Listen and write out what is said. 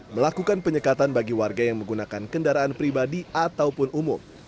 melakukan penyekatan bagi warga yang menggunakan kendaraan pribadi ataupun umum